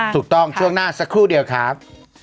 ช่วงหน้าสักครู่เดียวครับ